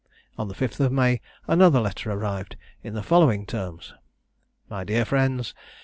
On the 5th of May, another letter arrived in the following terms: "My dear Friends.